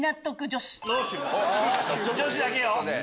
女子だけね。